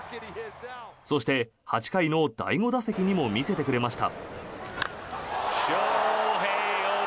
そして、８回の第５打席にも見せてくれました。